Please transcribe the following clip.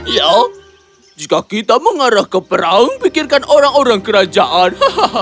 ya jika kita mengarah ke perang pikirkan orang orang kerajaan